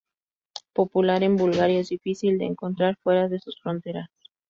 Popular en Bulgaria, es difícil de encontrar fuera de sus fronteras.